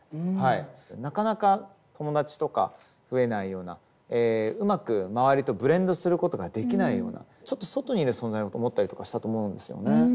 なかなか友達とか増えないようなうまく周りとブレンドすることができないようなちょっと外にいる存在かなと思ったりとかしたと思うんですよね。